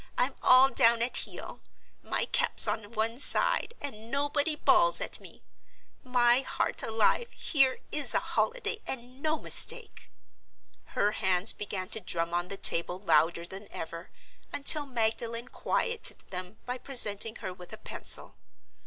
I'm all down at heel; my cap's on one side; and nobody bawls at me. My heart alive, here is a holiday and no mistake!" Her hands began to drum on the table louder than ever, until Magdalen quieted them by presenting her with a pencil.